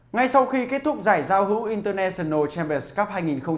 ngay sau khi kết thúc giải giao hữu international champions cup hai nghìn một mươi chín